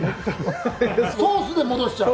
ソースで戻しちゃう？